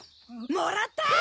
もらった！